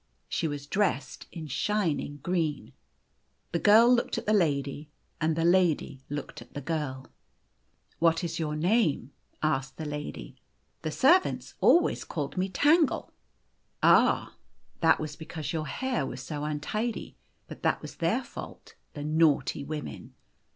She was dressed in shining green. The girl looked at the lady, and the lady looked at the girl. " What is your name ?" asked the lady. " The servants always called me Tangle." "Ah, that was because your hair was so untidy. But that was their fault, the naughty women